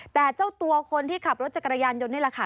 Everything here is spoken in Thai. แต่เจ้าตัวคนที่ขับรถจักรยานยนต์นี่แหละค่ะ